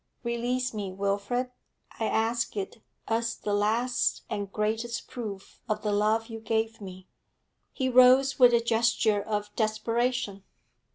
Release me, Wilfrid; I ask it as the last and greatest proof of the love you gave me.' He rose with a gesture of desperation.